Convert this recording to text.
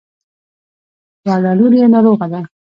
وړه لور يې ناروغه ده.